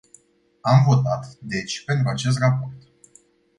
Am votat, deci, pentru acest raport.